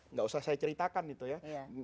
nggak usah saya ceritakan itu ya